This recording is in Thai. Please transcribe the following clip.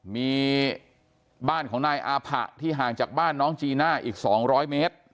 มีบ้านของนายอาผะที่ห่างจากบ้านน้องจีน่าอีก๒๐๐เมตร